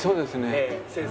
ええ先生。